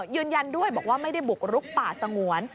ยืนยันด้วยบอกว่าไม่ได้บุกรุกป่าสงวน